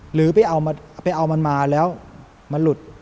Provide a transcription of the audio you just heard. หรือไปเอามันมาแล้วมันหลุด